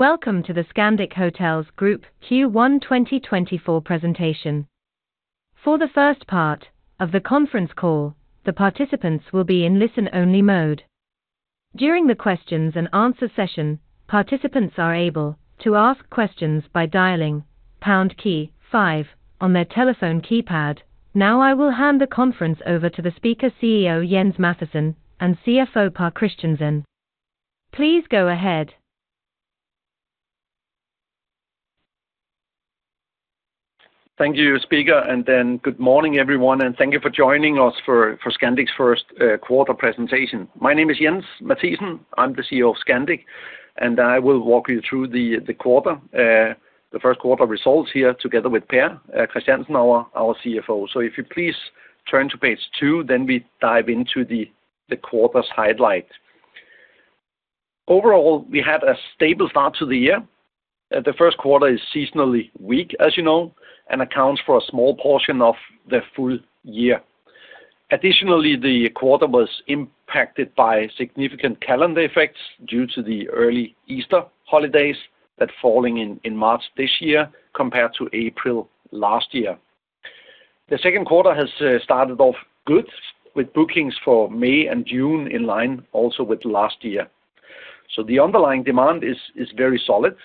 Welcome to the Scandic Hotels Group Q1 2024 Presentation. For the first part of the conference call, the participants will be in listen-only mode. During the questions-and-answers session, participants are able to ask questions by dialing pound key five on their telephone keypad. Now I will hand the conference over to the speaker CEO Jens Mathiesen and CFO Pär Christiansen. Please go ahead. Thank you, speaker, and then good morning everyone, and thank you for joining us for Scandic's Q1 presentation. My name is Jens Mathiesen, I'm the CEO of Scandic, and I will walk you through the quarter, the Q1 results here together with Pär Christiansen, our CFO. So if you please turn to page 2, then we dive into the quarter's highlight. Overall, we had a stable start to the year. The Q1 is seasonally weak, as you know, and accounts for a small portion of the full year. Additionally, the quarter was impacted by significant calendar effects due to the early Easter holidays that fall in March this year compared to April last year. The Q2 has started off good with bookings for May and June in line, also with last year. So the underlying demand is very solid.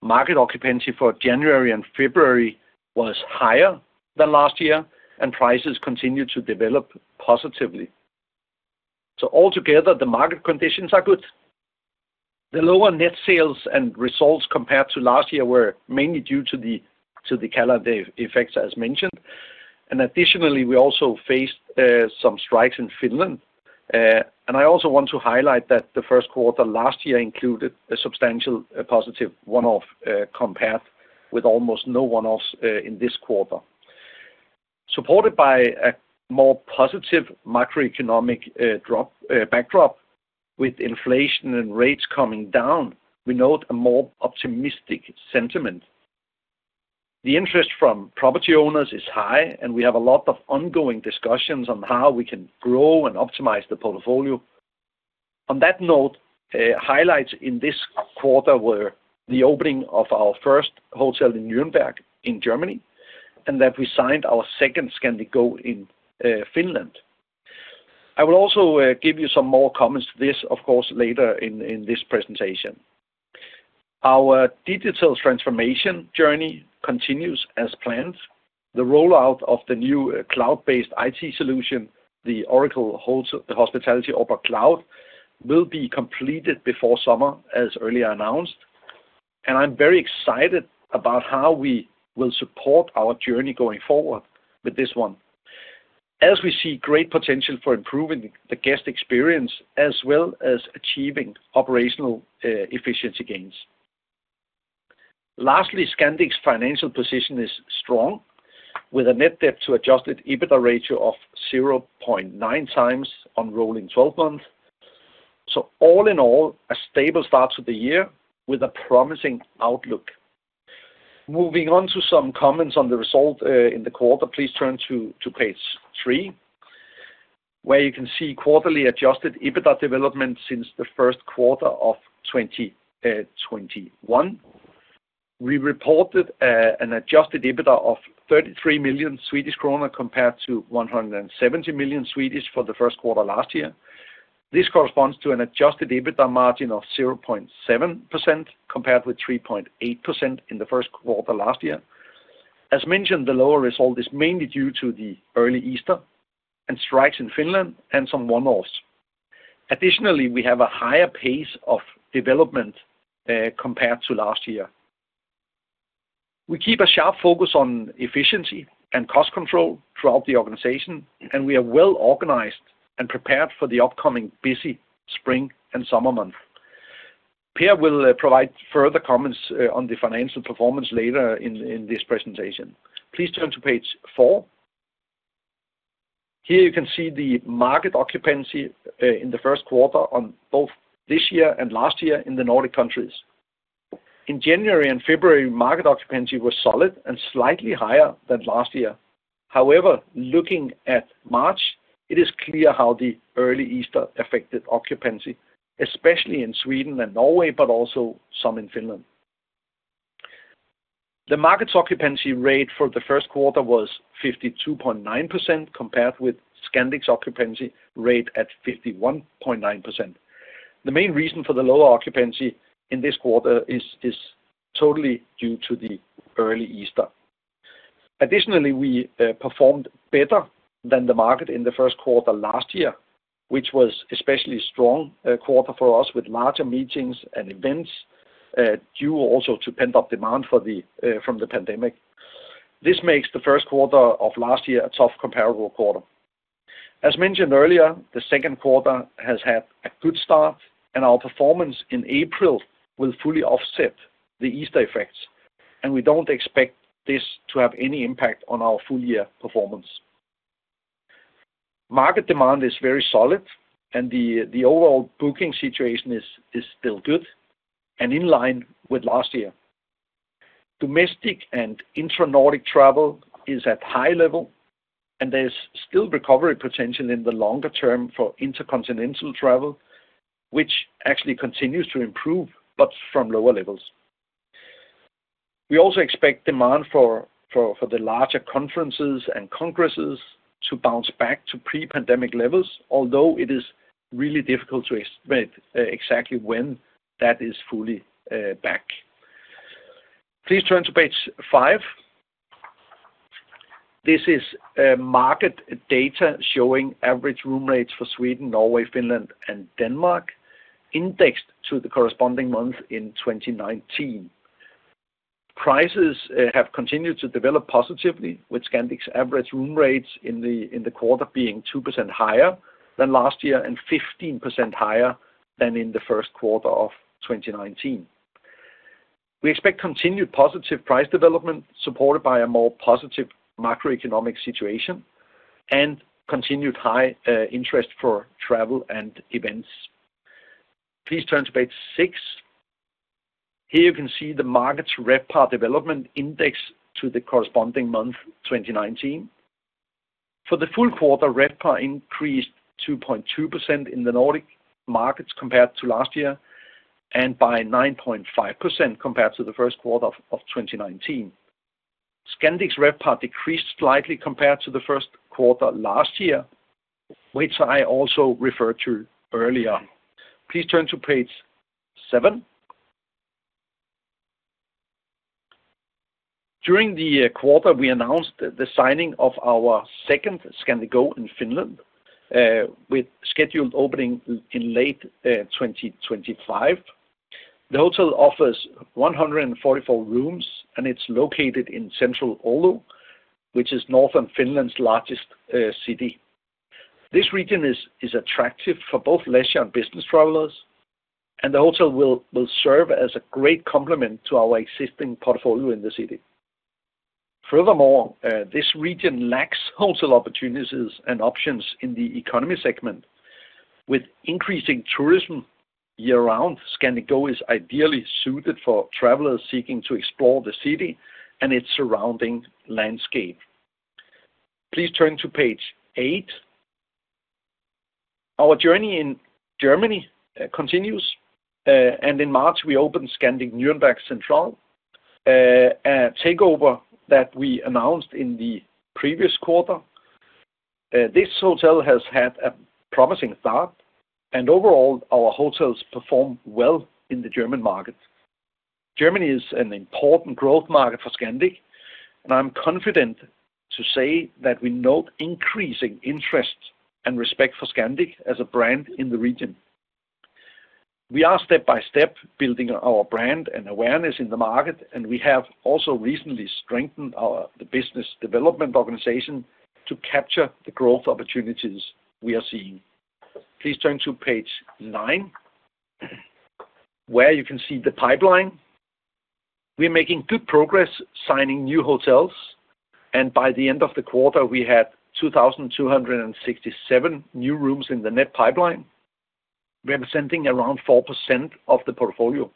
Market occupancy for January and February was higher than last year, and prices continue to develop positively. So altogether, the market conditions are good. The lower net sales and results compared to last year were mainly due to the calendar effects, as mentioned. And additionally, we also faced some strikes in Finland. And I also want to highlight that the Q1 last year included a substantial positive one-off compared with almost no one-offs in this quarter. Supported by a more positive macroeconomic backdrop with inflation and rates coming down, we note a more optimistic sentiment. The interest from property owners is high, and we have a lot of ongoing discussions on how we can grow and optimize the portfolio. On that note, highlights in this quarter were the opening of our first hotel in Nuremberg in Germany and that we signed our second Scandic Go in Finland. I will also give you some more comments to this, of course, later in this presentation. Our digital transformation journey continues as planned. The rollout of the new cloud-based IT solution, the Oracle Hospitality OPERA Cloud, will be completed before summer, as earlier announced. I'm very excited about how we will support our journey going forward with this one, as we see great potential for improving the guest experience as well as achieving operational efficiency gains. Lastly, Scandic's financial position is strong with a net debt to adjusted EBITDA ratio of 0.9 times on rolling 12-month. All in all, a stable start to the year with a promising outlook. Moving on to some comments on the result in the quarter, please turn to page 3, where you can see quarterly adjusted EBITDA development since the Q1 of 2021. We reported an adjusted EBITDA of 33 million Swedish kronor compared to 170 million for the Q1 last year. This corresponds to an adjusted EBITDA margin of 0.7% compared with 3.8% in the Q1 last year. As mentioned, the lower result is mainly due to the early Easter and strikes in Finland and some one-offs. Additionally, we have a higher pace of development compared to last year. We keep a sharp focus on efficiency and cost control throughout the organization, and we are well organized and prepared for the upcoming busy spring and summer months. Pär will provide further comments on the financial performance later in this presentation. Please turn to page 4. Here you can see the market occupancy in the Q1 on both this year and last year in the Nordic countries. In January and February, market occupancy was solid and slightly higher than last year. However, looking at March, it is clear how the early Easter affected occupancy, especially in Sweden and Norway, but also some in Finland. The market's occupancy rate for the Q1 was 52.9% compared with Scandic's occupancy rate at 51.9%. The main reason for the lower occupancy in this quarter is totally due to the early Easter. Additionally, we performed better than the market in the Q1 last year, which was especially a strong quarter for us with larger meetings and events due also to pent-up demand from the pandemic. This makes the Q1 of last year a tough comparable quarter. As mentioned earlier, the Q2 has had a good start, and our performance in April will fully offset the Easter effects, and we don't expect this to have any impact on our full-year performance. Market demand is very solid, and the overall booking situation is still good and in line with last year. Domestic and intra-Nordic travel is at high level, and there's still recovery potential in the longer term for intercontinental travel, which actually continues to improve but from lower levels. We also expect demand for the larger conferences and congresses to bounce back to pre-pandemic levels, although it is really difficult to expect exactly when that is fully back. Please turn to page 5. This is market data showing average room rates for Sweden, Norway, Finland, and Denmark indexed to the corresponding month in 2019. Prices have continued to develop positively, with Scandic's average room rates in the quarter being 2% higher than last year and 15% higher than in the Q1 of 2019. We expect continued positive price development supported by a more positive macroeconomic situation and continued high interest for travel and events. Please turn to page 6. Here you can see the market's RevPAR development indexed to the corresponding month 2019. For the full quarter, RevPAR increased 2.2% in the Nordic markets compared to last year and by 9.5% compared to the Q1 of 2019. Scandic's RevPAR decreased slightly compared to the Q1 last year, which I also referred to earlier. Please turn to page 7. During the quarter, we announced the signing of our second Scandic Go in Finland with scheduled opening in late 2025. The hotel offers 144 rooms, and it's located in central Oulu, which is northern Finland's largest city. This region is attractive for both leisure and business travelers, and the hotel will serve as a great complement to our existing portfolio in the city. Furthermore, this region lacks hotel opportunities and options in the economy segment. With increasing tourism year-round, Scandic Go is ideally suited for travelers seeking to explore the city and its surrounding landscape. Please turn to page 8. Our journey in Germany continues, and in March, we opened Scandic Nuremberg Central, a takeover that we announced in the previous quarter. This hotel has had a promising start, and overall, our hotels perform well in the German market. Germany is an important growth market for Scandic, and I'm confident to say that we note increasing interest and respect for Scandic as a brand in the region. We are step by step building our brand and awareness in the market, and we have also recently strengthened the business development organization to capture the growth opportunities we are seeing. Please turn to page 9, where you can see the pipeline. We're making good progress signing new hotels, and by the end of the quarter, we had 2,267 new rooms in the net pipeline, representing around 4% of the portfolio.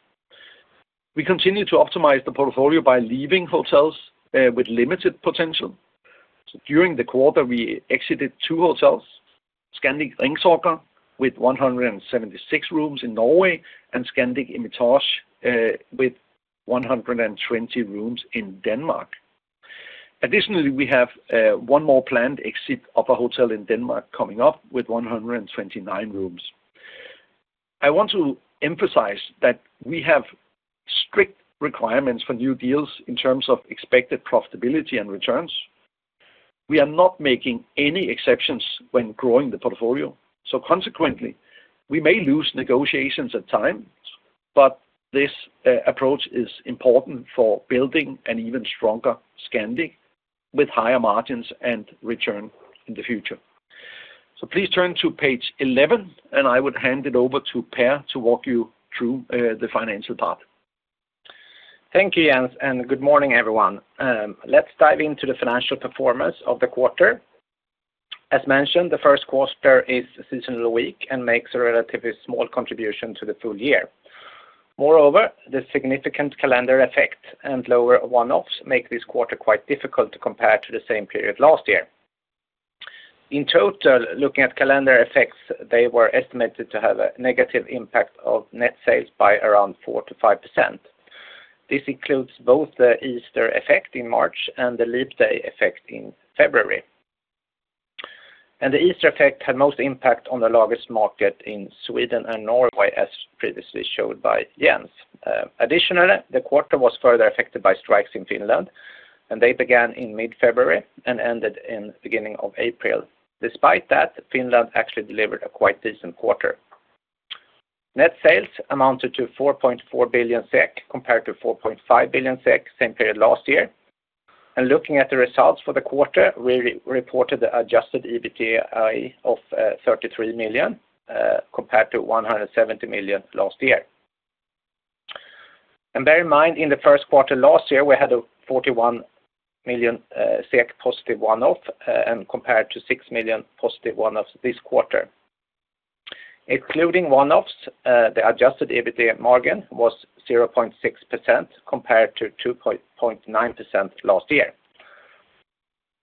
We continue to optimize the portfolio by leaving hotels with limited potential. During the quarter, we exited two hotels, Scandic Ringsaker with 176 rooms in Norway and Scandic Regina with 120 rooms in Denmark. Additionally, we have one more planned exit of a hotel in Denmark coming up with 129 rooms. I want to emphasize that we have strict requirements for new deals in terms of expected profitability and returns. We are not making any exceptions when growing the portfolio. So consequently, we may lose negotiations at times, but this approach is important for building an even stronger Scandic with higher margins and return in the future. So please turn to page 11, and I would hand it over to Pär to walk you through the financial part. Thank you, Jens, and good morning, everyone. Let's dive into the financial performance of the quarter. As mentioned, the Q1 is seasonally weak and makes a relatively small contribution to the full year. Moreover, the significant calendar effect and lower one-offs make this quarter quite difficult to compare to the same period last year. In total, looking at calendar effects, they were estimated to have a negative impact of net sales by around 4%-5%. This includes both the Easter effect in March and the leap day effect in February. The Easter effect had most impact on the largest market in Sweden and Norway, as previously showed by Jens. Additionally, the quarter was further affected by strikes in Finland, and they began in mid-February and ended in the beginning of April. Despite that, Finland actually delivered a quite decent quarter. Net sales amounted to 4.4 billion SEK compared to 4.5 billion SEK, same period last year. Looking at the results for the quarter, we reported the Adjusted EBITDA of 33 million compared to 170 million last year. Bear in mind, in the Q1 last year, we had a 41 million SEK positive one-off compared to 6 million positive one-offs this quarter. Excluding one-offs, the Adjusted EBITDA margin was 0.6% compared to 2.9% last year.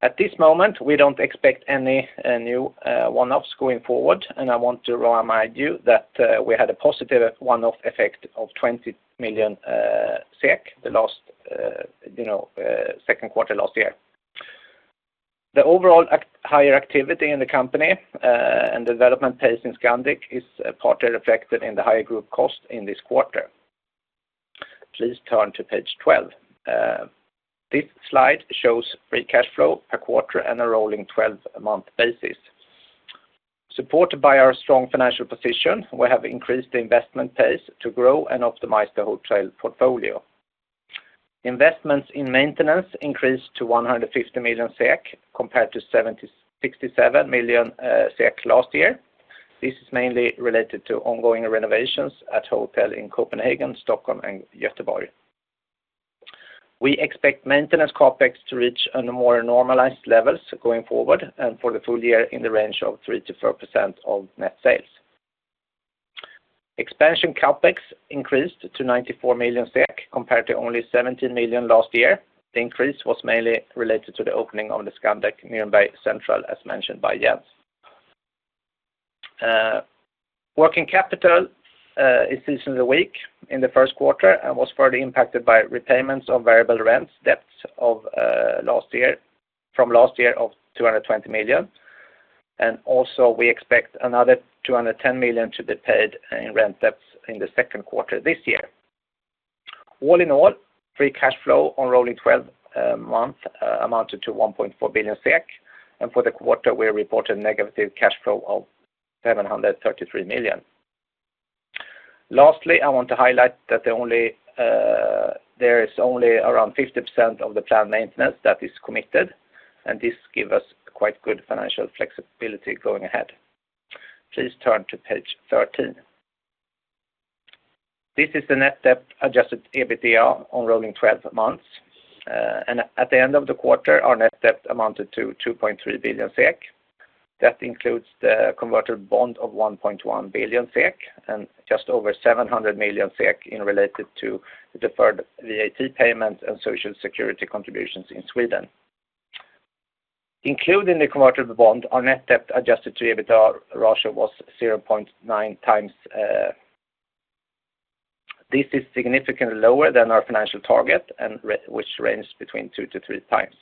At this moment, we don't expect any new one-offs going forward, and I want to remind you that we had a positive one-off effect of 20 million SEK the Q2 last year. The overall higher activity in the company and the development pace in Scandic is partly reflected in the higher group cost in this quarter. Please turn to page 12. This slide shows free cash flow per quarter and a rolling 12-month basis. Supported by our strong financial position, we have increased the investment pace to grow and optimize the hotel portfolio. Investments in maintenance increased to 150 million SEK compared to 67 million SEK last year. This is mainly related to ongoing renovations at hotels in Copenhagen, Stockholm, and Göteborg. We expect maintenance Capex to reach a more normalized level going forward and for the full year in the range of 3%-4% of net sales. Expansion Capex increased to 94 million SEK compared to only 17 million last year. The increase was mainly related to the opening of the Scandic Nuremberg Central, as mentioned by Jens. Working capital is seasonally weak in the Q1 and was further impacted by repayments of variable rents debts from last year of 220 million. Also, we expect another 210 million to be paid in rent debts in the Q2 this year. All in all, free cash flow on rolling 12-month amounted to 1.4 billion SEK, and for the quarter, we reported negative cash flow of 733 million. Lastly, I want to highlight that there is only around 50% of the planned maintenance that is committed, and this gives us quite good financial flexibility going ahead. Please turn to page 13. This is the net debt adjusted EBITDA on rolling 12 months. At the end of the quarter, our net debt amounted to 2.3 billion SEK. That includes the convertible bond of 1.1 billion SEK and just over 700 million SEK related to the deferred VAT payments and social security contributions in Sweden. Including the convertible bond, our net debt adjusted to EBITDA ratio was 0.9 times. This is significantly lower than our financial target, which ranged between 2-3 times.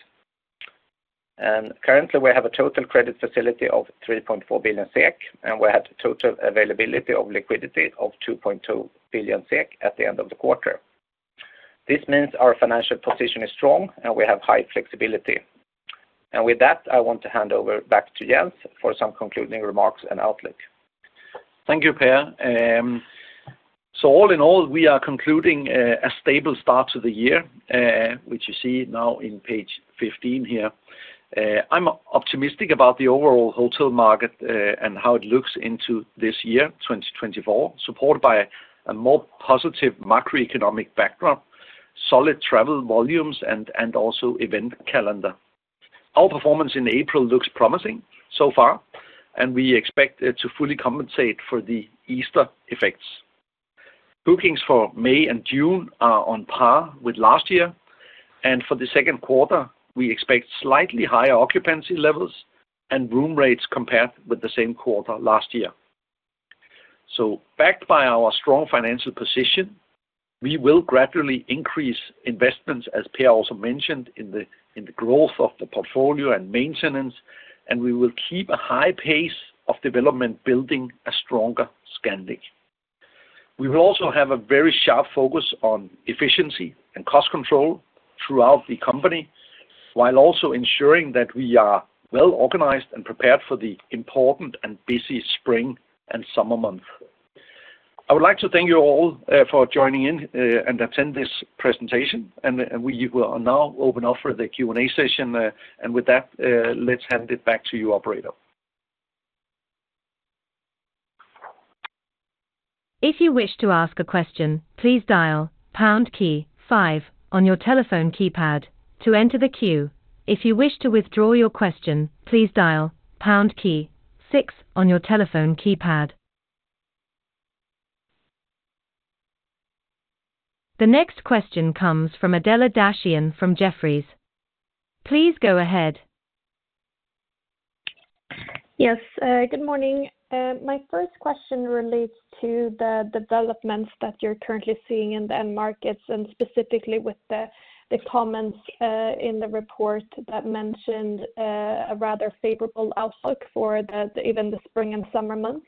Currently, we have a total credit facility of 3.4 billion SEK, and we had total availability of liquidity of 2.2 billion SEK at the end of the quarter. This means our financial position is strong, and we have high flexibility. With that, I want to hand over back to Jens for some concluding remarks and outlook. Thank you, Pär. So all in all, we are concluding a stable start to the year, which you see now in page 15 here. I'm optimistic about the overall hotel market and how it looks into this year, 2024, supported by a more positive macroeconomic backdrop, solid travel volumes, and also event calendar. Our performance in April looks promising so far, and we expect it to fully compensate for the Easter effects. Bookings for May and June are on par with last year, and for the Q2, we expect slightly higher occupancy levels and room rates compared with the same quarter last year. So backed by our strong financial position, we will gradually increase investments, as Pär also mentioned, in the growth of the portfolio and maintenance, and we will keep a high pace of development building a stronger Scandic. We will also have a very sharp focus on efficiency and cost control throughout the company while also ensuring that we are well organized and prepared for the important and busy spring and summer month. I would like to thank you all for joining in and attending this presentation, and we will now open up for the Q&A session. With that, let's hand it back to you, operator. If you wish to ask a question, please dial pound key 5 on your telephone keypad to enter the queue. If you wish to withdraw your question, please dial pound key 6 on your telephone keypad. The next question comes from Adela Dashian from Jefferies. Please go ahead. Yes. Good morning. My first question relates to the developments that you're currently seeing in the end markets and specifically with the comments in the report that mentioned a rather favorable outlook for even the spring and summer months.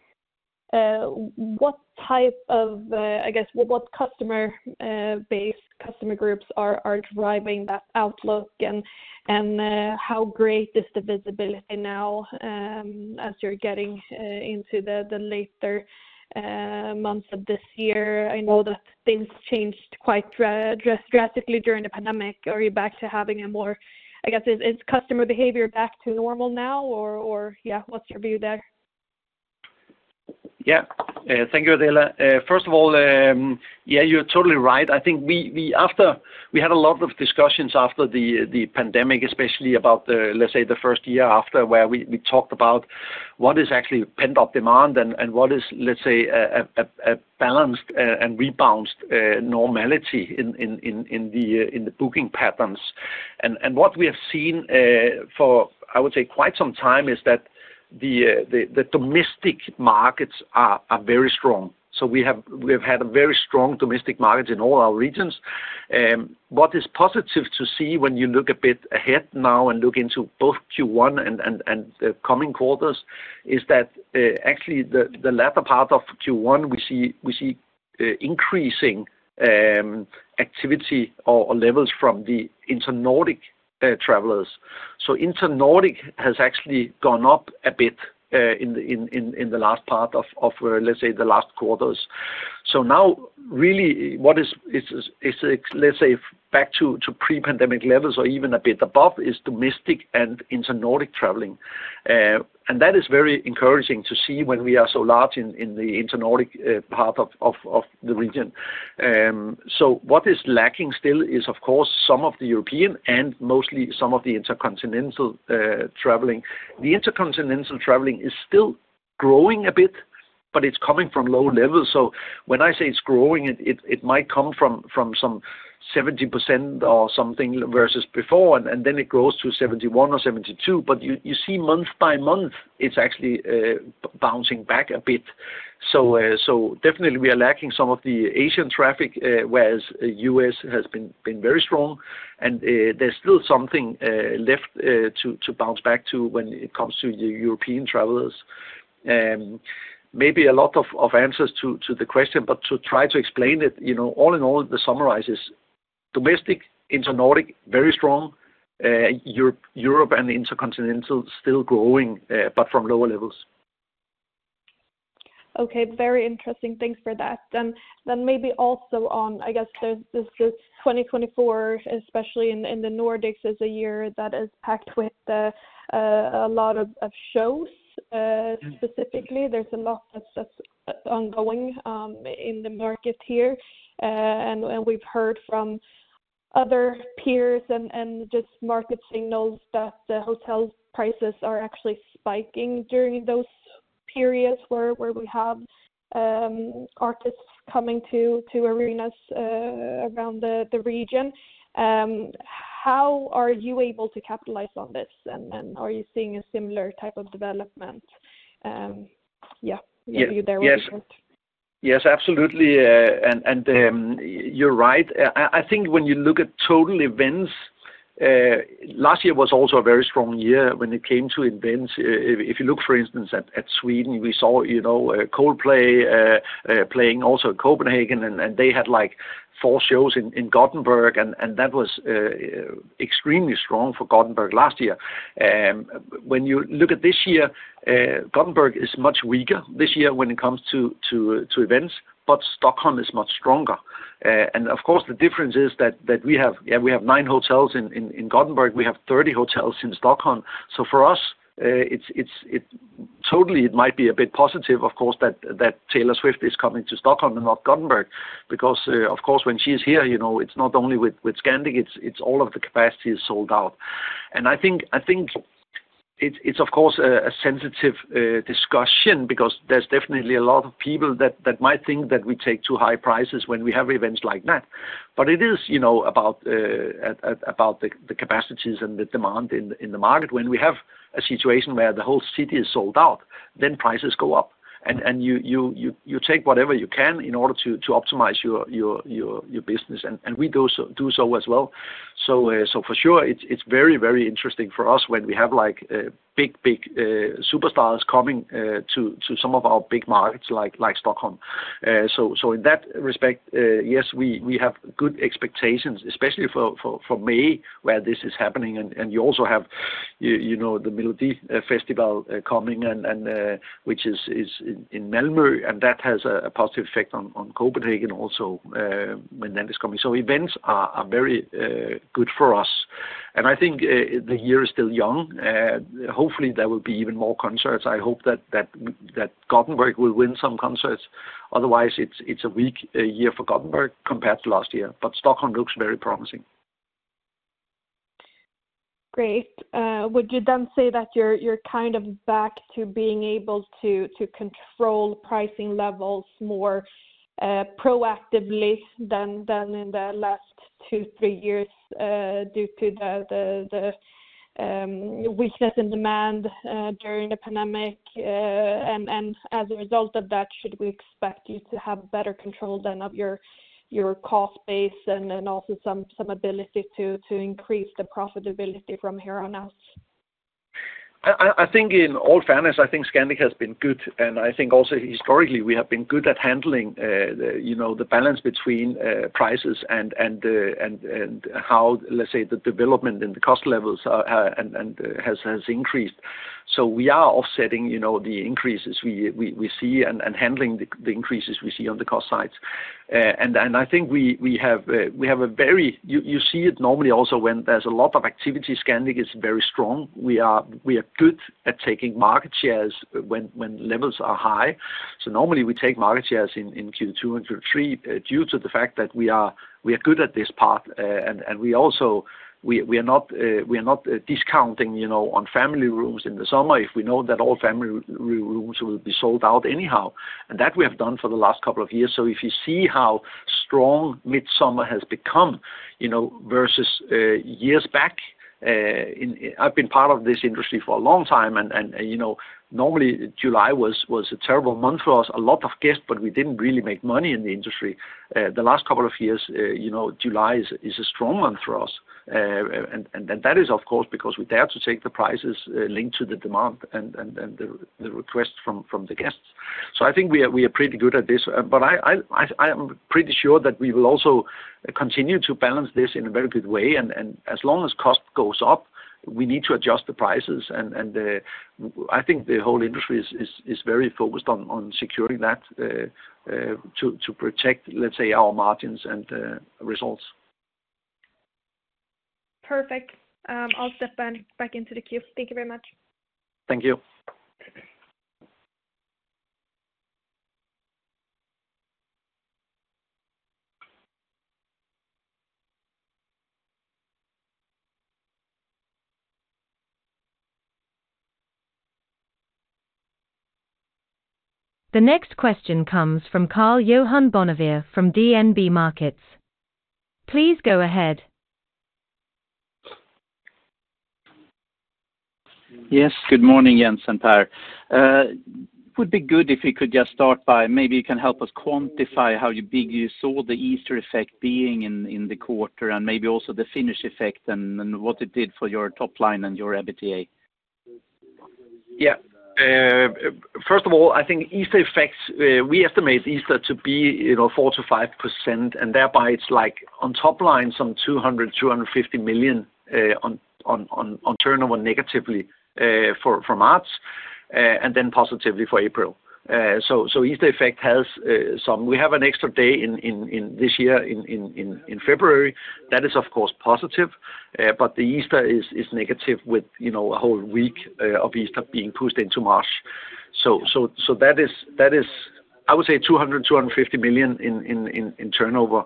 I guess what customer groups are driving that outlook, and how great is the visibility now as you're getting into the later months of this year? I know that things changed quite drastically during the pandemic. Are you back to having a more, I guess, is customer behavior back to normal now? Or yeah, what's your view there? Yeah. Thank you, Adela. First of all, yeah, you're totally right. I think we had a lot of discussions after the pandemic, especially about, let's say, the first year after where we talked about what is actually pent-up demand and what is, let's say, a balanced and rebounded normality in the booking patterns. What we have seen for, I would say, quite some time is that the domestic markets are very strong. So we have had a very strong domestic market in all our regions. What is positive to see when you look a bit ahead now and look into both Q1 and the coming quarters is that actually the latter part of Q1, we see increasing activity or levels from the Intra-Nordic travelers. So Intra-Nordic has actually gone up a bit in the last part of, let's say, the last quarters. So now really what is, let's say, back to pre-pandemic levels or even a bit above is domestic and Intra-Nordic traveling. And that is very encouraging to see when we are so large in the Intra-Nordic part of the region. So what is lacking still is, of course, some of the European and mostly some of the intercontinental traveling. The intercontinental traveling is still growing a bit, but it's coming from low levels. So when I say it's growing, it might come from some 70% or something versus before, and then it grows to 71 or 72. But you see month by month, it's actually bouncing back a bit. So definitely, we are lacking some of the Asian traffic, whereas the US has been very strong, and there's still something left to bounce back to when it comes to the European travelers. Maybe a lot of answers to the question, but to try to explain it, all in all, the summary is domestic, intra-Nordic very strong, Europe and intercontinental still growing, but from lower levels. Okay. Very interesting. Thanks for that. Then maybe also on, I guess, this 2024, especially in the Nordics, is a year that is packed with a lot of shows. Specifically, there's a lot that's ongoing in the market here. And we've heard from other peers and just market signals that the hotel prices are actually spiking during those periods where we have artists coming to arenas around the region. How are you able to capitalize on this, and are you seeing a similar type of development? Yeah. Are you there with us? Yes. Yes, absolutely. And you're right. I think when you look at total events, last year was also a very strong year when it came to events. If you look, for instance, at Sweden, we saw Coldplay playing also at Copenhagen, and they had 4 shows in Gothenburg, and that was extremely strong for Gothenburg last year. When you look at this year, Gothenburg is much weaker this year when it comes to events, but Stockholm is much stronger. And of course, the difference is that we have 9 hotels in Gothenburg. We have 30 hotels in Stockholm. So for us, totally, it might be a bit positive, of course, that Taylor Swift is coming to Stockholm and not Gothenburg because, of course, when she is here, it's not only with Scandic, it's all of the capacity is sold out. I think it's, of course, a sensitive discussion because there's definitely a lot of people that might think that we take too high prices when we have events like that. But it is about the capacities and the demand in the market. When we have a situation where the whole city is sold out, then prices go up. And you take whatever you can in order to optimize your business, and we do so as well. So for sure, it's very, very interesting for us when we have big, big superstars coming to some of our big markets like Stockholm. So in that respect, yes, we have good expectations, especially for May where this is happening. And you also have the Melodifestivalen coming, which is in Malmö, and that has a positive effect on Copenhagen also when that is coming. So events are very good for us. I think the year is still young. Hopefully, there will be even more concerts. I hope that Gothenburg will win some concerts. Otherwise, it's a weak year for Gothenburg compared to last year, but Stockholm looks very promising. Great. Would you then say that you're kind of back to being able to control pricing levels more proactively than in the last 2-3 years due to the weakness in demand during the pandemic? As a result of that, should we expect you to have better control than of your cost base and also some ability to increase the profitability from here on out? I think in all fairness, I think Scandic has been good. I think also historically, we have been good at handling the balance between prices and how, let's say, the development in the cost levels has increased. So we are offsetting the increases we see and handling the increases we see on the cost sides. I think we have a very you see it normally also when there's a lot of activity. Scandic is very strong. We are good at taking market shares when levels are high. So normally, we take market shares in Q2 and Q3 due to the fact that we are good at this part. And we are not discounting on family rooms in the summer if we know that all family rooms will be sold out anyhow. And that we have done for the last couple of years. So if you see how strong Midsummer has become versus years back. I've been part of this industry for a long time. Normally, July was a terrible month for us. A lot of guests, but we didn't really make money in the industry. The last couple of years, July is a strong month for us. That is, of course, because we dare to take the prices linked to the demand and the requests from the guests. So I think we are pretty good at this. But I am pretty sure that we will also continue to balance this in a very good way. As long as cost goes up, we need to adjust the prices. I think the whole industry is very focused on securing that to protect, let's say, our margins and results. Perfect. I'll step back into the queue. Thank you very much. Thank you. The next question comes from Karl Johan Bonnevier from DNB Markets. Please go ahead. Yes. Good morning, Jens and Pär. It would be good if we could just start by maybe you can help us quantify how big you saw the Easter effect being in the quarter and maybe also the Finnish effect and what it did for your top line and your EBITDA. Yeah. First of all, I think Easter effects we estimate Easter to be 4%-5%. And thereby, it's on top line some 200 million-250 million on turnover negatively for March and then positively for April. So Easter effect has some we have an extra day this year in February. That is, of course, positive. But the Easter is negative with a whole week of Easter being pushed into March. So that is, I would say, 200 million-250 million in turnover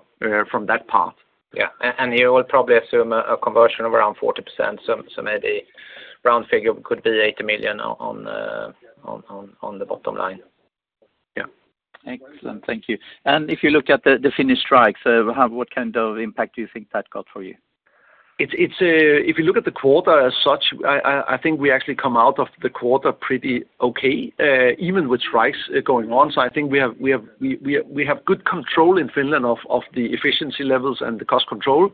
from that part. Yeah. And you will probably assume a conversion of around 40%. So maybe round figure could be 80 million on the bottom line. Yeah. Excellent. Thank you. If you look at the Finnish strikes, what kind of impact do you think that got for you? If you look at the quarter as such, I think we actually come out of the quarter pretty okay, even with strikes going on. So I think we have good control in Finland of the efficiency levels and the cost control.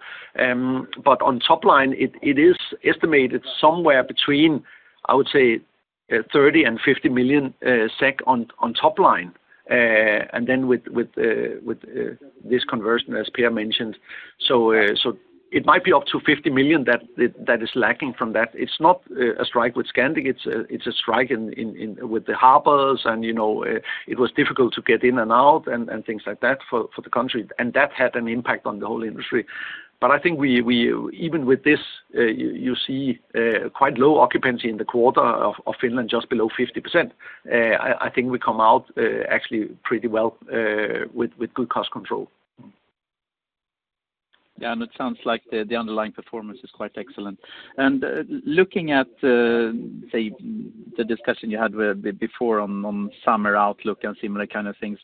But on top line, it is estimated somewhere between, I would say, 30-50 million SEK on top line and then with this conversion, as Pierre mentioned. So it might be up to 50 million SEK that is lacking from that. It's not a strike with Scandic. It's a strike with the harbors. And it was difficult to get in and out and things like that for the country. And that had an impact on the whole industry. But I think even with this, you see quite low occupancy in the quarter of Finland, just below 50%. I think we come out actually pretty well with good cost control. Yeah. It sounds like the underlying performance is quite excellent. Looking at, say, the discussion you had before on summer outlook and similar kind of things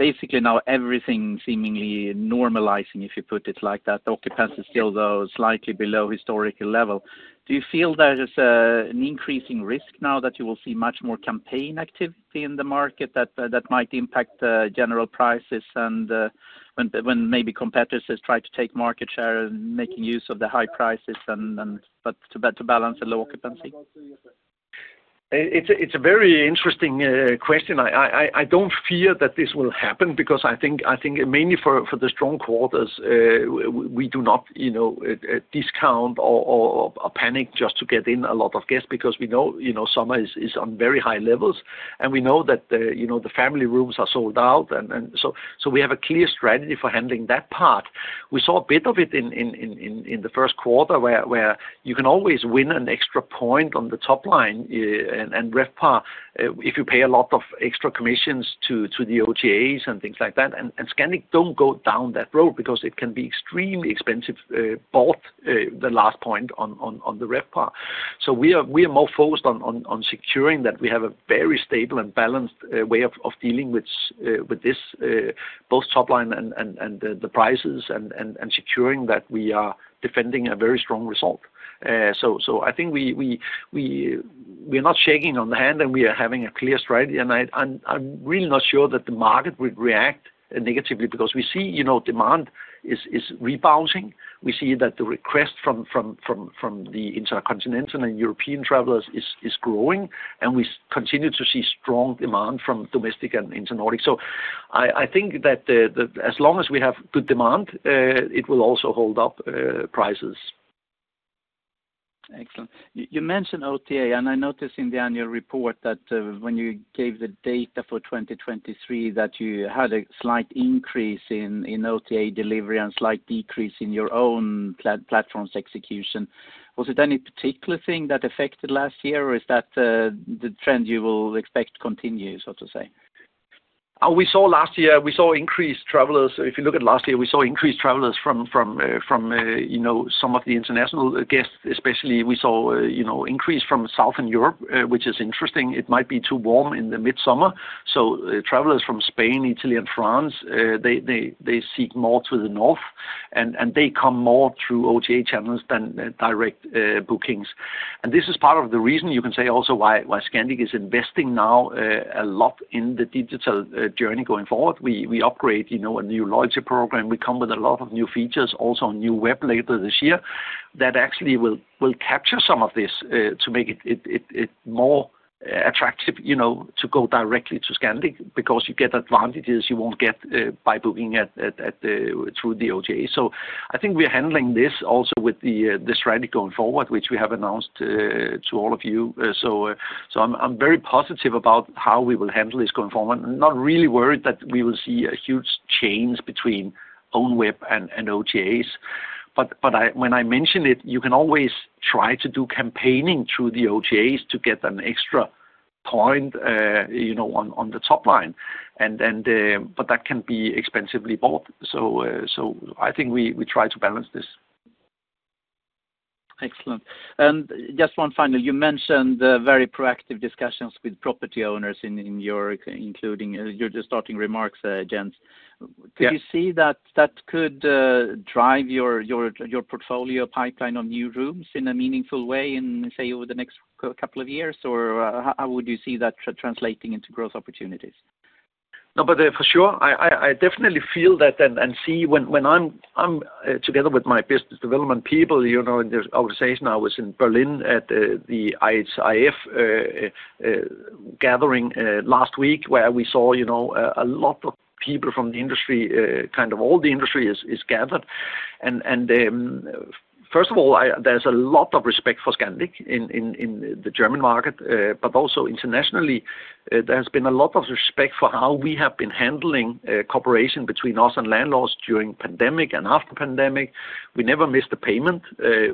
with basically now everything seemingly normalizing, if you put it like that, the occupancy is still though slightly below historical level. Do you feel there is an increasing risk now that you will see much more campaign activity in the market that might impact general prices and when maybe competitors try to take market share and making use of the high prices but to balance the low occupancy? It's a very interesting question. I don't fear that this will happen because I think mainly for the strong quarters, we do not discount or panic just to get in a lot of guests because we know summer is on very high levels. And we know that the family rooms are sold out. And so we have a clear strategy for handling that part. We saw a bit of it in the Q1 where you can always win an extra point on the top line and RevPAR if you pay a lot of extra commissions to the OTAs and things like that. And Scandic don't go down that road because it can be extremely expensive both the last point on the RevPAR. So we are more focused on securing that we have a very stable and balanced way of dealing with this, both top line and the prices and securing that we are defending a very strong result. So I think we are not shaking hands, and we are having a clear strategy. And I'm really not sure that the market would react negatively because we see demand is rebounding. We see that the requests from the international and European travelers is growing. And we continue to see strong demand from domestic and Intra-Nordic. So I think that as long as we have good demand, it will also hold up prices. Excellent. You mentioned OTA, and I noticed in the annual report that when you gave the data for 2023, that you had a slight increase in OTA delivery and slight decrease in your own platform's execution. Was it any particular thing that affected last year, or is that the trend you will expect continues, so to say? We saw last year we saw increased travelers. If you look at last year, we saw increased travelers from some of the international guests, especially. We saw increase from Southern Europe, which is interesting. It might be too warm in the midsummer. So travelers from Spain, Italy, and France, they seek more to the north. And they come more through OTA channels than direct bookings. And this is part of the reason, you can say, also why Scandic is investing now a lot in the digital journey going forward. We upgrade a new loyalty program. We come with a lot of new features, also a new web later this year that actually will capture some of this to make it more attractive to go directly to Scandic because you get advantages you won't get by booking through the OTA. I think we are handling this also with the strategy going forward, which we have announced to all of you. I'm very positive about how we will handle this going forward and not really worried that we will see a huge change between own web and OTAs. But when I mention it, you can always try to do campaigning through the OTAs to get an extra point on the top line. But that can be expensively bought. I think we try to balance this. Excellent. Just one final. You mentioned very proactive discussions with property owners in Europe, including your opening remarks, Jens. Do you see that that could drive your portfolio pipeline of new rooms in a meaningful way, say, over the next couple of years? Or how would you see that translating into growth opportunities? No, but for sure, I definitely feel that and see when I'm together with my business development people in the organization. I was in Berlin at the IHIF gathering last week where we saw a lot of people from the industry, kind of all the industry is gathered. First of all, there's a lot of respect for Scandic in the German market. But also internationally, there has been a lot of respect for how we have been handling cooperation between us and landlords during pandemic and after pandemic. We never missed the payment.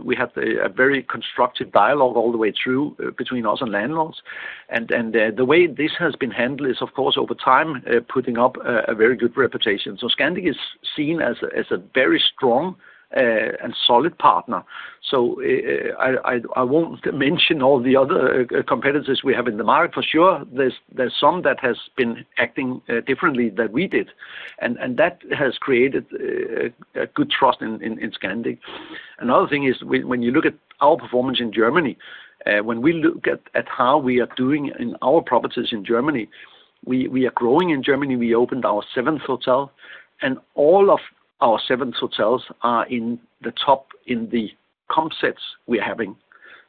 We had a very constructive dialogue all the way through between us and landlords. And the way this has been handled is, of course, over time, putting up a very good reputation. So Scandic is seen as a very strong and solid partner. So I won't mention all the other competitors we have in the market. For sure, there's some that has been acting differently than we did. That has created good trust in Scandic. Another thing is when you look at our performance in Germany, when we look at how we are doing in our properties in Germany, we are growing in Germany. We opened our seventh hotel. All of our seventh hotels are in the top in the comp sets we are having.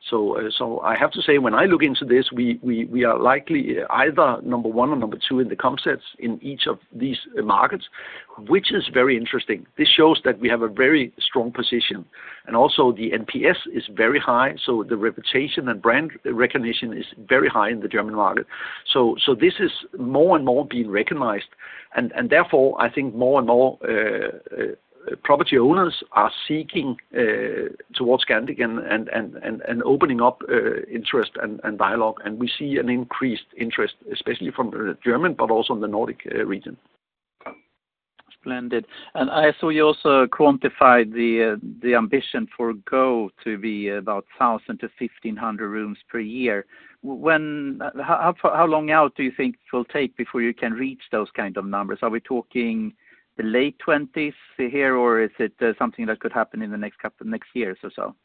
So I have to say, when I look into this, we are likely either number one or number two in the comp sets in each of these markets, which is very interesting. This shows that we have a very strong position. Also the NPS is very high. So the reputation and brand recognition is very high in the German market. This is more and more being recognized. Therefore, I think more and more property owners are seeking towards Scandic and opening up interest and dialogue. We see an increased interest, especially from Germany, but also in the Nordic region. Splendid. I saw you also quantified the ambition for go to be about 1,000-1,500 rooms per year. How long out do you think it will take before you can reach those kind of numbers? Are we talking the late 2020s here, or is it something that could happen in the next couple of next years or so?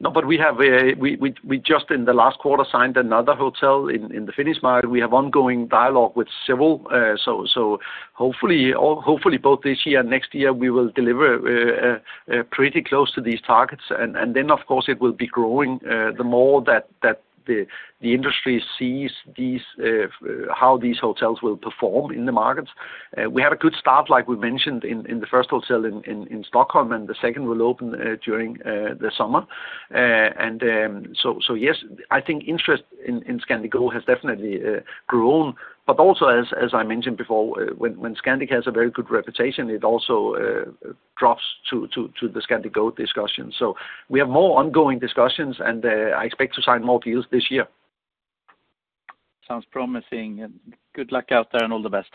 No, but we have just in the last quarter signed another hotel in the Finnish market. We have ongoing dialogue with several. So hopefully, both this year and next year, we will deliver pretty close to these targets. And then, of course, it will be growing the more that the industry sees how these hotels will perform in the markets. We had a good start, like we mentioned, in the first hotel in Stockholm. And the second will open during the summer. And so yes, I think interest in Scandic Go has definitely grown. But also, as I mentioned before, when Scandic has a very good reputation, it also drops to the Scandic Go discussion. So we have more ongoing discussions. And I expect to sign more deals this year. Sounds promising. Good luck out there and all the best.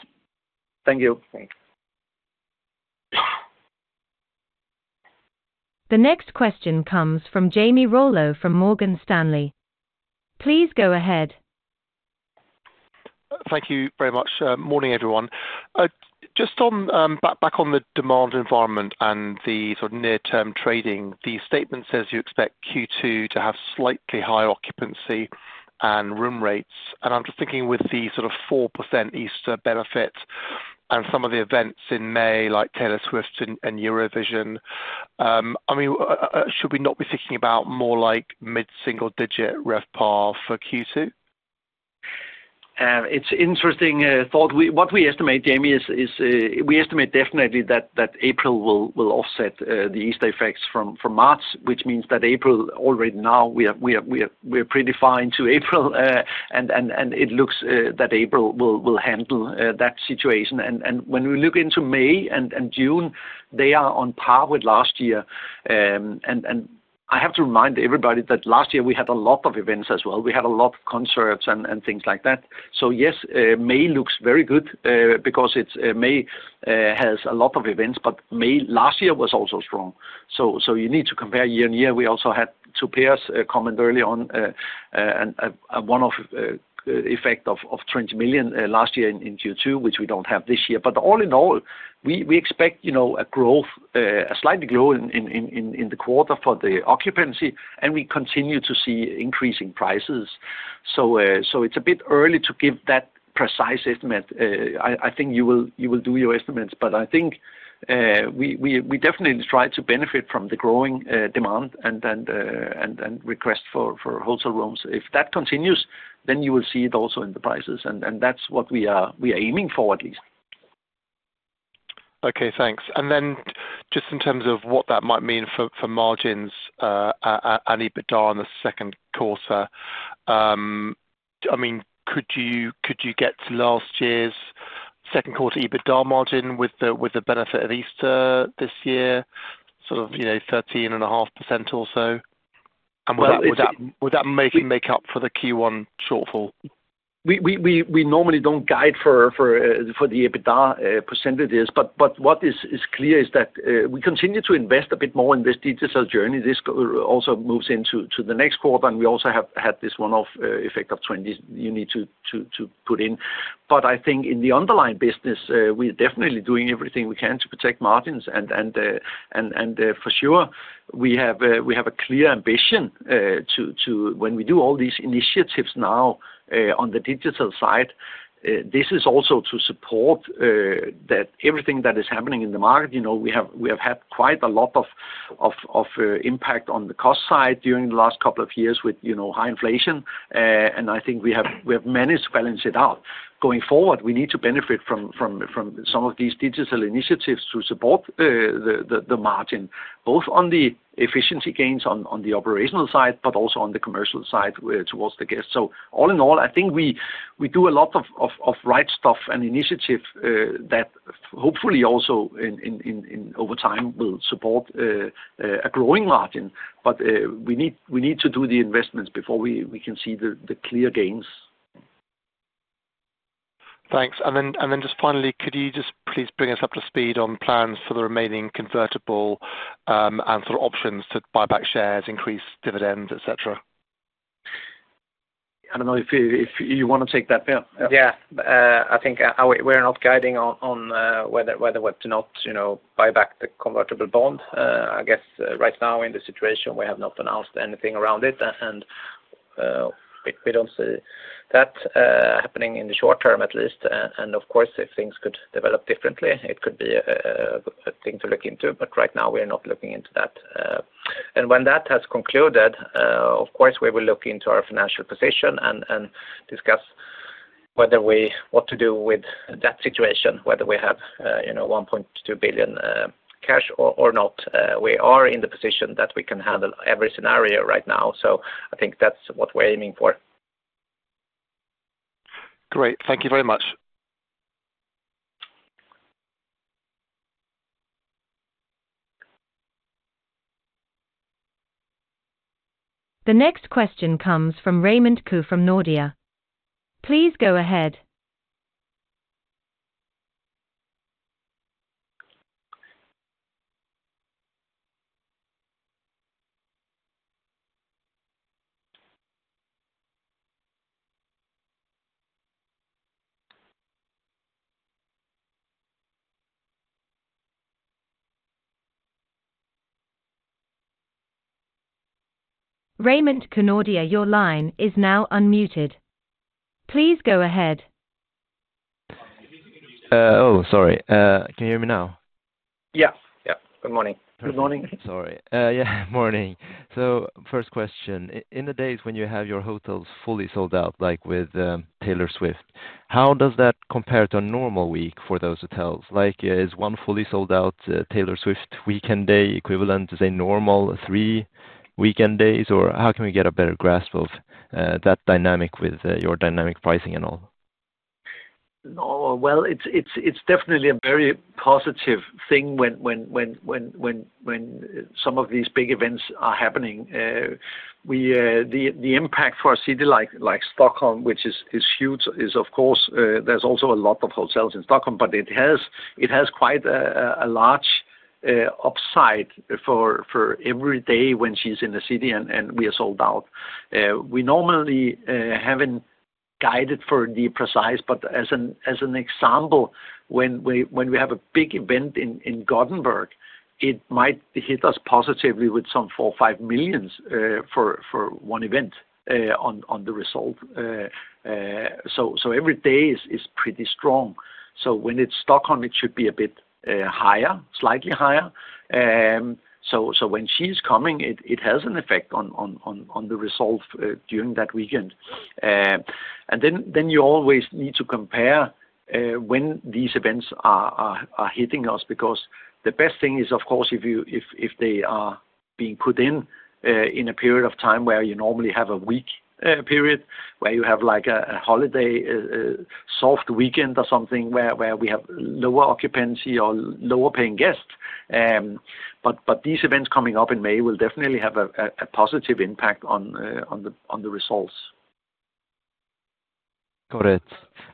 Thank you. Thanks. The next question comes from Jamie Rollo from Morgan Stanley. Please go ahead. Thank you very much. Morning, everyone. Just back on the demand environment and the sort of near-term trading, the statement says you expect Q2 to have slightly higher occupancy and room rates. And I'm just thinking with the sort of 4% Easter benefit and some of the events in May, like Taylor Swift and Eurovision, I mean, should we not be thinking about more mid-single-digit RevPAR for Q2? It's an interesting thought. What we estimate, Jamie, is we estimate definitely that April will offset the Easter effects from March, which means that April already now, we are pretty fine to April. It looks that April will handle that situation. When we look into May and June, they are on par with last year. I have to remind everybody that last year, we had a lot of events as well. We had a lot of concerts and things like that. So yes, May looks very good because May has a lot of events. But May last year was also strong. So you need to compare year-on-year. We also had two pairs comment early on, one-off effect of 20 million last year in Q2, which we don't have this year. All in all, we expect a growth, a slight growth in the quarter for the occupancy. We continue to see increasing prices. It's a bit early to give that precise estimate. I think you will do your estimates. I think we definitely try to benefit from the growing demand and request for hotel rooms. If that continues, then you will see it also in the prices. That's what we are aiming for, at least. Okay. Thanks. And then just in terms of what that might mean for margins and EBITDA in the Q2, I mean, could you get to last year's Q2 EBITDA margin with the benefit of Easter this year, sort of 13.5% or so? And would that make up for the Q1 shortfall? We normally don't guide for the EBITDA percentages. But what is clear is that we continue to invest a bit more in this digital journey. This also moves into the next quarter. And we also have had this one-off effect of 20 you need to put in. But I think in the underlying business, we are definitely doing everything we can to protect margins. And for sure, we have a clear ambition to, when we do all these initiatives now on the digital side, this is also to support everything that is happening in the market. We have had quite a lot of impact on the cost side during the last couple of years with high inflation. And I think we have managed to balance it out. Going forward, we need to benefit from some of these digital initiatives to support the margin, both on the efficiency gains on the operational side, but also on the commercial side towards the guests. So all in all, I think we do a lot of right stuff and initiative that hopefully also over time will support a growing margin. But we need to do the investments before we can see the clear gains. Thanks. Then just finally, could you just please bring us up to speed on plans for the remaining convertible and sort of options to buy back shares, increase dividends, etc.? I don't know if you want to take that, Ben. Yeah. I think we're not guiding on whether we have to not buy back the convertible bond. I guess right now, in the situation, we have not announced anything around it. And we don't see that happening in the short term, at least. And of course, if things could develop differently, it could be a thing to look into. But right now, we are not looking into that. And when that has concluded, of course, we will look into our financial position and discuss what to do with that situation, whether we have 1.2 billion cash or not. We are in the position that we can handle every scenario right now. So I think that's what we're aiming for. Great. Thank you very much. The next question comes from Renmin Koo from Nordea. Please go ahead. Renmin Koo Nordea, your line is now unmuted. Please go ahead. Oh, sorry. Can you hear me now? Yeah. Yeah. Good morning. Good morning. Sorry. Yeah. Morning. So first question. In the days when you have your hotels fully sold out, like with Taylor Swift, how does that compare to a normal week for those hotels? Is one fully sold out Taylor Swift weekend day equivalent to, say, normal three weekend days? Or how can we get a better grasp of that dynamic with your dynamic pricing and all? Well, it's definitely a very positive thing when some of these big events are happening. The impact for a city like Stockholm, which is huge, is of course, there's also a lot of hotels in Stockholm. But it has quite a large upside for every day when she's in a city and we are sold out. We normally haven't guided for the precise. But as an example, when we have a big event in Gothenburg, it might hit us positively with some 4 million or 5 million for one event on the result. So every day is pretty strong. So when it's Stockholm, it should be a bit higher, slightly higher. So when she's coming, it has an effect on the result during that weekend. And then you always need to compare when these events are hitting us. Because the best thing is, of course, if they are being put in a period of time where you normally have a week period, where you have a holiday, soft weekend or something where we have lower occupancy or lower-paying guests. But these events coming up in May will definitely have a positive impact on the results. Got it.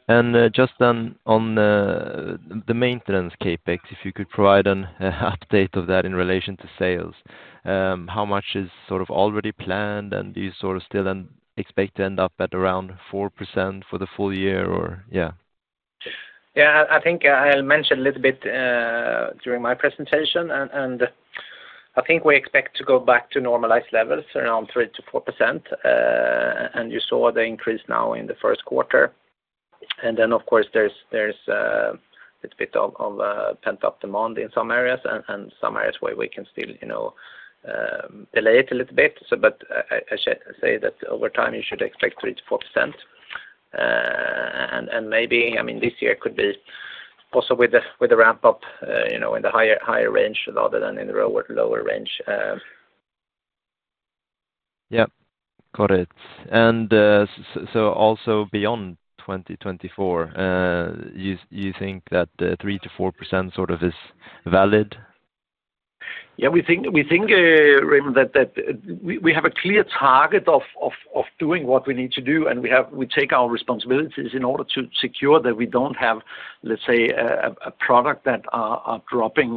And just then on the maintenance Capex, if you could provide an update of that in relation to sales, how much is sort of already planned? And do you sort of still then expect to end up at around 4% for the full year? Or yeah. Yeah. I think I'll mention a little bit during my presentation. I think we expect to go back to normalized levels around 3%-4%. And you saw the increase now in the Q1. And then, of course, there's a bit of pent-up demand in some areas. And some areas where we can still delay it a little bit. But I say that over time, you should expect 3%-4%. And maybe, I mean, this year could be also with a ramp-up in the higher range rather than in the lower range. Yeah. Got it. And so also beyond 2024, you think that 3%-4% sort of is valid? Yeah. We think, Raymond, that we have a clear target of doing what we need to do. We take our responsibilities in order to secure that we don't have, let's say, a product that are dropping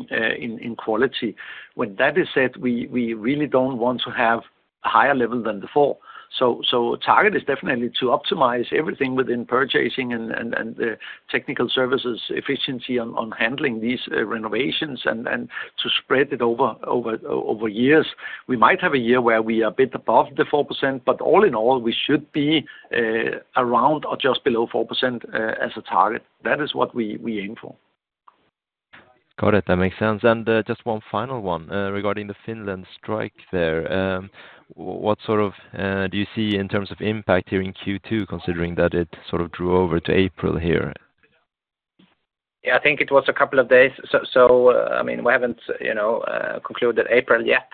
in quality. When that is said, we really don't want to have a higher level than before. Target is definitely to optimize everything within purchasing and the technical services efficiency on handling these renovations and to spread it over years. We might have a year where we are a bit above the 4%. All in all, we should be around or just below 4% as a target. That is what we aim for. Got it. That makes sense. Just one final one regarding the Finland strike there. What sort of do you see in terms of impact here in Q2, considering that it sort of drew over to April here? Yeah. I think it was a couple of days. So I mean, we haven't concluded April yet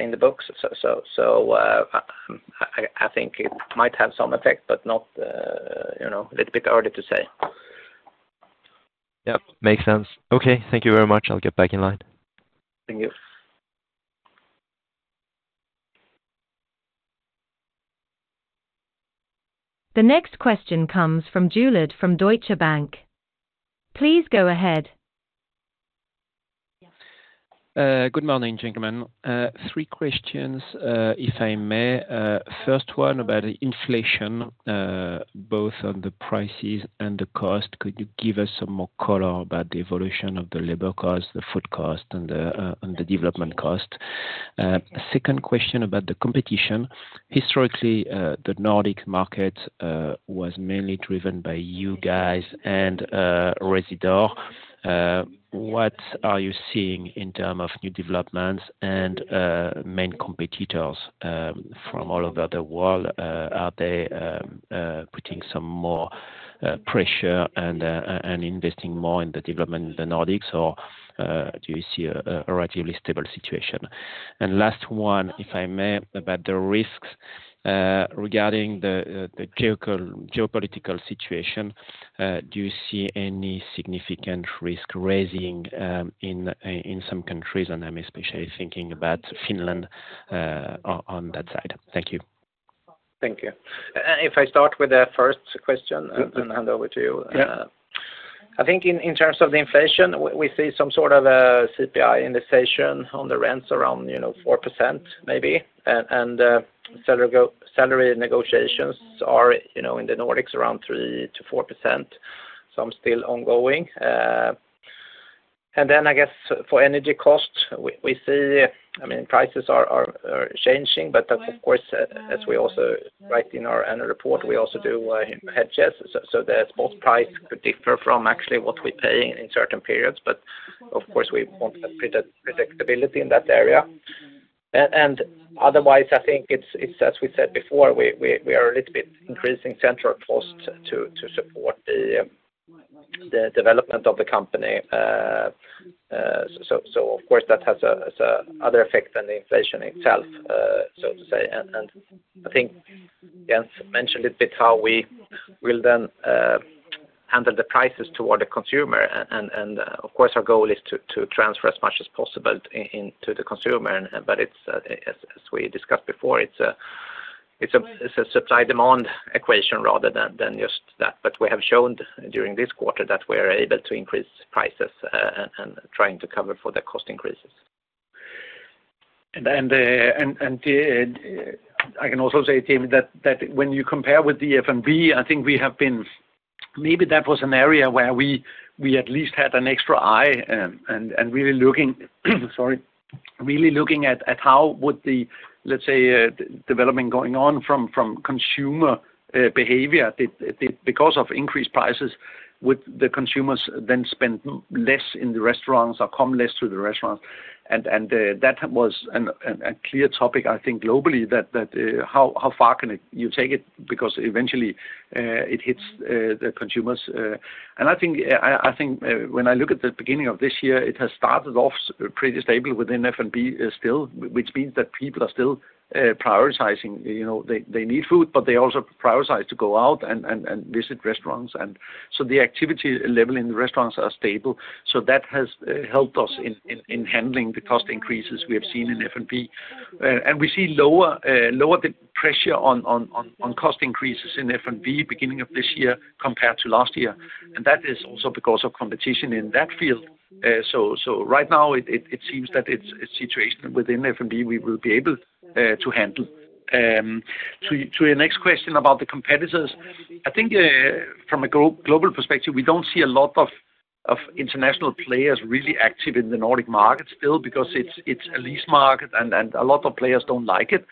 in the books. So I think it might have some effect, but it's a little bit early to say. Yeah. Makes sense. Okay. Thank you very much. I'll get back in line. Thank you. The next question comes from Andre Juillard from Deutsche Bank. Please go ahead. Good morning, gentlemen. Three questions, if I may. First one about inflation, both on the prices and the cost. Could you give us some more color about the evolution of the labor cost, the food cost, and the development cost? Second question about the competition. Historically, the Nordic market was mainly driven by you guys and Rezidor. What are you seeing in terms of new developments and main competitors from all over the world? Are they putting some more pressure and investing more in the development in the Nordics? Or do you see a relatively stable situation? And last one, if I may, about the risks regarding the geopolitical situation, do you see any significant risk raising in some countries? And I'm especially thinking about Finland on that side. Thank you. Thank you. If I start with the first question and hand over to you. I think in terms of the inflation, we see some sort of a CPI indexation on the rents around 4% maybe. And salary negotiations are in the Nordics around 3%-4%, some still ongoing. And then I guess for energy cost, we see I mean, prices are changing. But of course, as we also write in our report, we also do hedges. So the spot price could differ from actually what we pay in certain periods. But of course, we want that predictability in that area. And otherwise, I think it's, as we said before, we are a little bit increasing central cost to support the development of the company. So of course, that has another effect than the inflation itself, so to say. I think Jens mentioned a little bit how we will then handle the prices toward the consumer. Of course, our goal is to transfer as much as possible into the consumer. But as we discussed before, it's a supply-demand equation rather than just that. We have shown during this quarter that we are able to increase prices and trying to cover for the cost increases. And I can also say, Tim, that when you compare with the F&B, I think we have been maybe that was an area where we at least had an extra eye and really looking, sorry, really looking at how would the, let's say, development going on from consumer behavior because of increased prices, would the consumers then spend less in the restaurants or come less to the restaurants? And that was a clear topic, I think, globally, that how far can you take it because eventually, it hits the consumers. And I think when I look at the beginning of this year, it has started off pretty stable within F&B still, which means that people are still prioritizing. They need food, but they also prioritize to go out and visit restaurants. And so the activity level in the restaurants are stable. That has helped us in handling the cost increases we have seen in F&B. We see lower the pressure on cost increases in F&B beginning of this year compared to last year. That is also because of competition in that field. Right now, it seems that it's a situation within F&B we will be able to handle. To your next question about the competitors, I think from a global perspective, we don't see a lot of international players really active in the Nordic market still because it's a lease market. A lot of players don't like it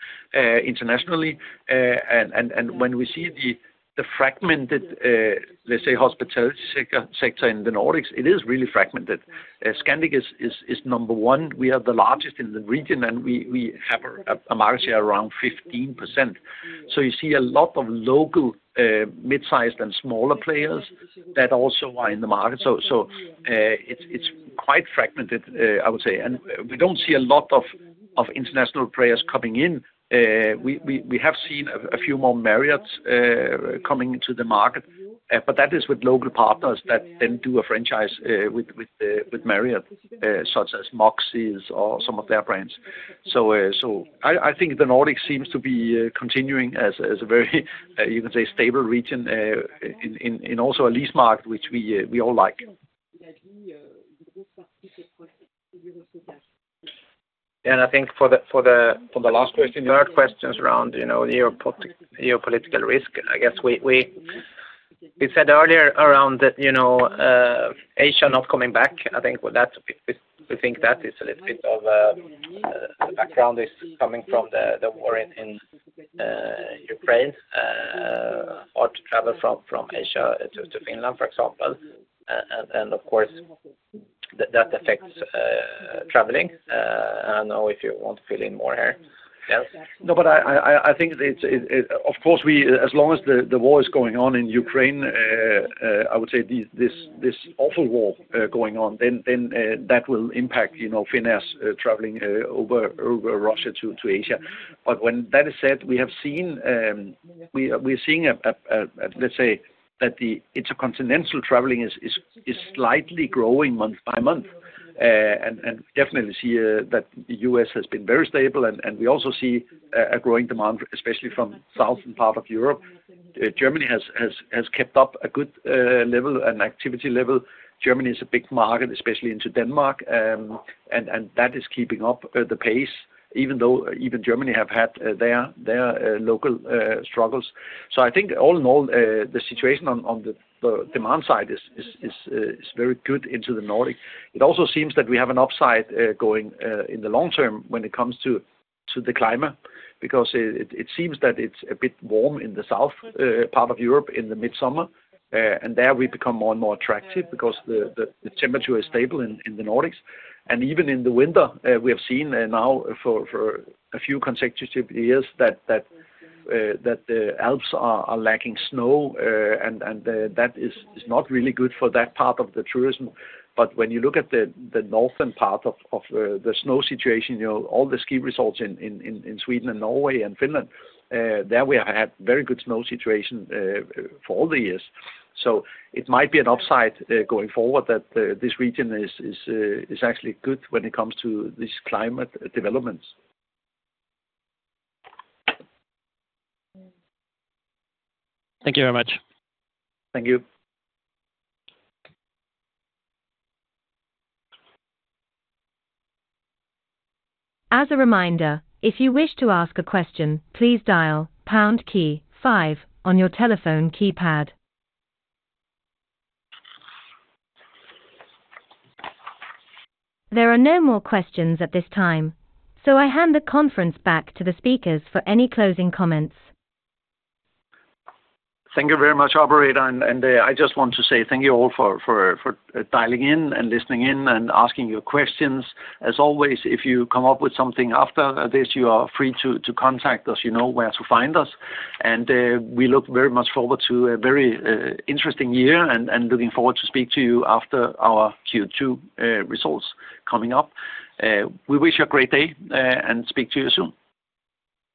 internationally. When we see the fragmented, let's say, hospitality sector in the Nordics, it is really fragmented. Scandic is number one. We are the largest in the region. We have a market share around 15%. So you see a lot of local, midsized, and smaller players that also are in the market. So it's quite fragmented, I would say. And we don't see a lot of international players coming in. We have seen a few more Marriott coming into the market. But that is with local partners that then do a franchise with Marriott, such as Moxy or some of their brands. So I think the Nordic seems to be continuing as a very, you can say, stable region in also a lease market, which we all like. I think for the last question. Third question is around geopolitical risk. I guess we said earlier around Asia not coming back. I think we think that is a little bit of the background is coming from the war in Ukraine, hard to travel from Asia to Finland, for example. Of course, that affects traveling. I don't know if you want to fill in more here, Jens. No, but I think of course, as long as the war is going on in Ukraine, I would say this awful war going on, then that will impact Finns traveling over Russia to Asia. But when that is said, we have seen we're seeing, let's say, that the intercontinental traveling is slightly growing month by month. And definitely see that the U.S. has been very stable. And we also see a growing demand, especially from the southern part of Europe. Germany has kept up a good level, an activity level. Germany is a big market, especially into Denmark. And that is keeping up the pace, even though even Germany have had their local struggles. So I think all in all, the situation on the demand side is very good into the Nordic. It also seems that we have an upside going in the long term when it comes to the climate because it seems that it's a bit warm in the south part of Europe in the midsummer. There, we become more and more attractive because the temperature is stable in the Nordics. Even in the winter, we have seen now for a few consecutive years that the Alps are lacking snow. That is not really good for that part of the tourism. But when you look at the northern part of the snow situation, all the ski resorts in Sweden and Norway and Finland, there, we have had very good snow situation for all the years. It might be an upside going forward that this region is actually good when it comes to these climate developments. Thank you very much. Thank you. As a reminder, if you wish to ask a question, please dial pound key 5 on your telephone keypad. There are no more questions at this time, so I hand the conference back to the speakers for any closing comments. Thank you very much, Arberita. I just want to say thank you all for dialing in and listening in and asking your questions. As always, if you come up with something after this, you are free to contact us. You know where to find us. We look very much forward to a very interesting year and looking forward to speak to you after our Q2 results coming up. We wish you a great day and speak to you soon.